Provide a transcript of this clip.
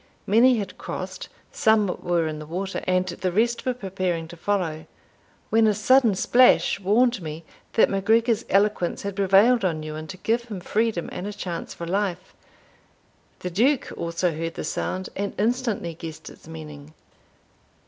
Many had crossed, some were in the water, and the rest were preparing to follow, when a sudden splash warned me that MacGregor's eloquence had prevailed on Ewan to give him freedom and a chance for life. The Duke also heard the sound, and instantly guessed its meaning.